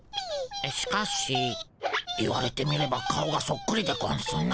しかし言われてみれば顔がそっくりでゴンスな。